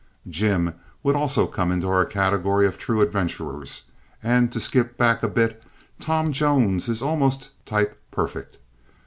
Jim would also come into our category of true adventurers, and, to skip back a bit, Tom Jones is almost type perfect.